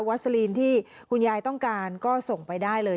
สลีนที่คุณยายต้องการก็ส่งไปได้เลย